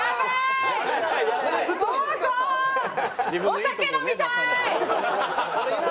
「お酒飲みたい」。